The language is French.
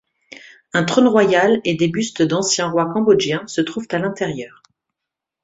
Un trône royal et des bustes d'anciens rois cambodgiens se trouvent à l'intérieur.